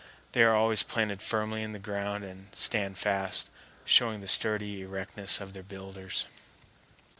They are always planted firmly in the ground and stand fast, showing the sturdy erectness of their builders.